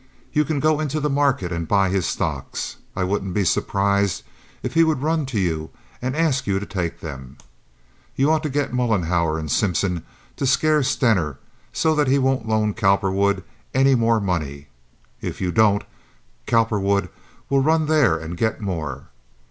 You can go into the market and buy his stocks. I wouldn't be surprised if he would run to you and ask you to take them. You ought to get Mollenhauer and Simpson to scare Stener so that he won't loan Cowperwood any more money. If you don't, Cowperwood will run there and get more.